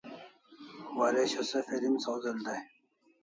Waresho se film sawzel dai